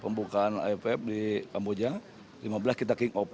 pembukaan afp di kamboja lima belas kita king up